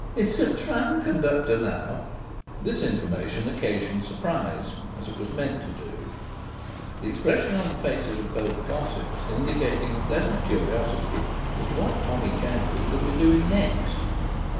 "He's a tram conductor now." This information occasioned surprise, as it was meant to do, the expression on the faces of both gossips indicating a pleasant curiosity as to what Tommy Chadwick would be doing next.